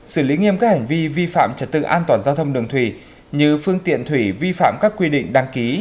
xử lý nghiêm các hành vi vi phạm trật tự an toàn giao thông đường thủy như phương tiện thủy vi phạm các quy định đăng ký